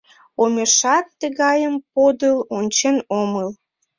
Омешат тыгайым подыл ончен омыл!